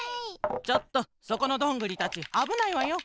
ちょっとそこのどんぐりたちあぶないわよ。